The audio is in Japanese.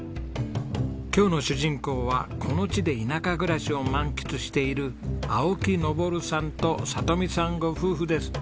今日の主人公はこの地で田舎暮らしを満喫している青木昇さんと里美さんご夫婦です。